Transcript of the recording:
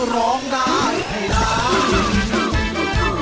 ร้องได้ให้ร้าน